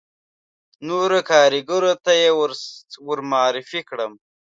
نورو کاریګرو ته یې ور معرفي کړم.